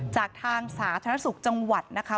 จากทางสาธารณสุขจังหวัดนะคะ